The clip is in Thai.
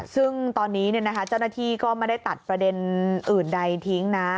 ซึ่งตอนนี้เจ้าหน้าที่ก็ไม่ได้ตัดประเด็นอื่นใดทิ้งนะ